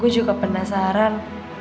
gue juga penasaran